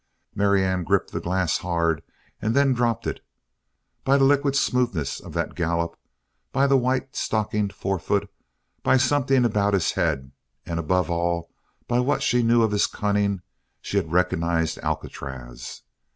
Marianne gripped the glass hard and then dropped it. By the liquid smoothness of that gallop, by the white stockinged forefoot, by something about his head, and above all by what she knew of his cunning, she had recognized Alcatraz.